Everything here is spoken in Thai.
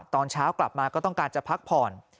ตอนเช้ากลับมาก็ต้องการจะพักผ่อน